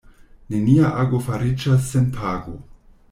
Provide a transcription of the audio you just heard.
Nenia ago fariĝas sen pago.